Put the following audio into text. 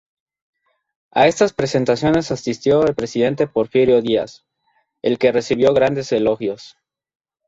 A estas presentaciones asistió el presidente Porfirio Días, del que recibió grandes elogios.